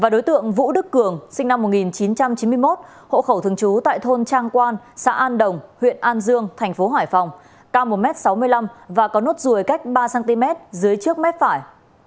đối tượng vũ đức cường sinh năm một nghìn chín trăm chín mươi một hộ khẩu thường trú tại thôn trang quan xã an đồng huyện an dương thành phố hải phòng cao một m sáu mươi năm và có nốt ruồi cách ba cm dưới trước mép phải